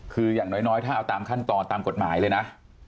คืออย่างน้อยถ้าเอาตามขั้นตอนตามกฎหมายเลยนะ